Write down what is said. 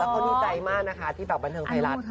และคนนิจใจมากนะคะที่บันเทิงไทยรัฐ